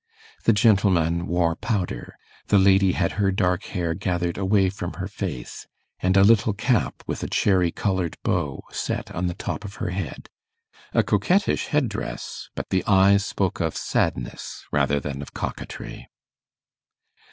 The gentleman wore powder; the lady had her dark hair gathered away from her face, and a little cap, with a cherry coloured bow, set on the top of her head a coquettish head dress, but the eyes spoke of sadness rather than of coquetry.